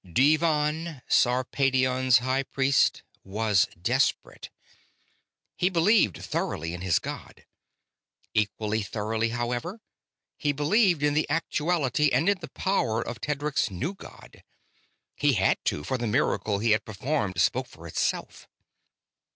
Devann, Sarpedion's high priest, was desperate. He believed thoroughly in his god. Equally thoroughly, however, he believed in the actuality and in the power of Tedric's new god. He had to, for the miracle he had performed spoke for itself.